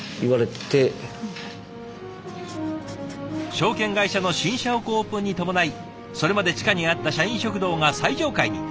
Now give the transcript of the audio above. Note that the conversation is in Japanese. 証券会社の新社屋オープンに伴いそれまで地下にあった社員食堂が最上階に。